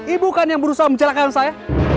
ibu kan yang berusaha mencelak kaya lu saya